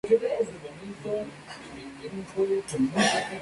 A lo lejos se muestra dos grandes columnas de humo.